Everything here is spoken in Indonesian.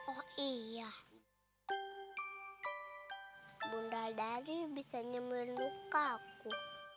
oh iya bunda dari bisanya menukarku